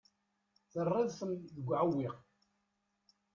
Terriḍ-ten deg uɛewwiq.